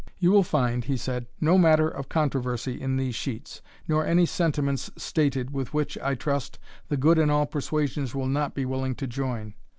"You will find," he said, "no matter of controversy in these sheets, nor any sentiments stated, with which, I trust, the good in all persuasions will not be willing to join.